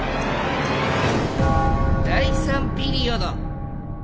第３ピリオド。